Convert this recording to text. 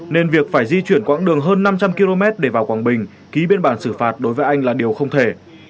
nên việc phải di chuyển quãng đường hơn năm trăm linh km để vào quảng bình ký biên bản xử phạt đối với anh là điều không thể